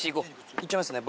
いっちゃいますね